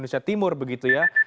mujahidin timur begitu ya